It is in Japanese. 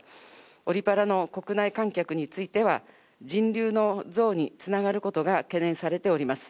オリパラの国内観客については、人流の増につながることが懸念されております。